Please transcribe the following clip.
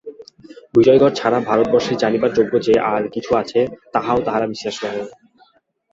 বিজয়গড় ছাড়া ভারতবর্ষে জানিবার যোগ্য যে আর-কিছু আছে তাহাও তাঁহারা বিশ্বাস নহে।